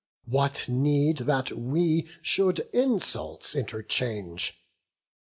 What need that we should insults interchange?